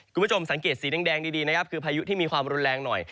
คุณผู้ชมสังเกตสีแดงดีนะครับคือพายุที่มีความรุนแรงหน่อย